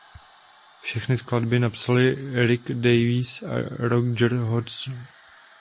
Všechny skladba napsali Rick Davies a Roger Hodgson.